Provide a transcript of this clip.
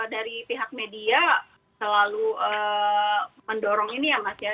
dari pihak media selalu mendorong ini ya mas ya